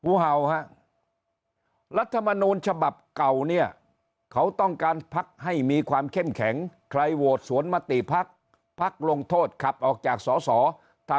ภูเย่าฮะลัฑภมาณูณชบับเก่านี้เขาต้องการพรรคให้มีความเข้มแข็งใครโดดสวนมติภัคภรรยาลงโทษขับออกจากอ่ะ